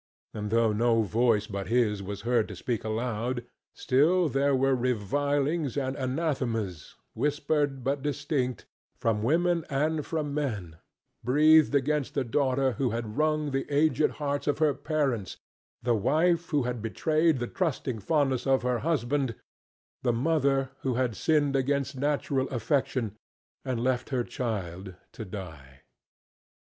And though no voice but his was heard to speak aloud, still there were revilings and anathemas, whispered but distinct, from women and from men, breathed against the daughter who had wrung the aged hearts of her parents, the wife who had betrayed the trusting fondness of her husband, the mother who had sinned against natural affection and left her child to die.